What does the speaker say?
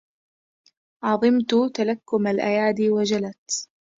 عَظُمت تلكمُ الأيادي وجَلَّتْ